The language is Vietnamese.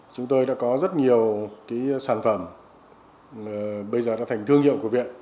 chúng tôi đã có rất nhiều sản phẩm bây giờ đã thành thương hiệu của viện